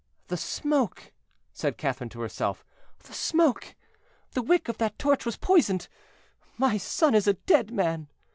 "The smoke," said Catherine to herself; "the smoke! the wick of that torch was poisoned; my son is a dead man."